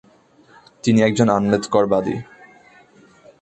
তিনি একজন আম্বেদকর বাদী।